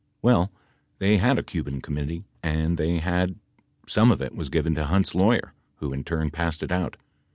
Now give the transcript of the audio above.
Well, they had a Cuban Committee and they had — some of it was given to Hunt's lawyer, who in turn passed it out.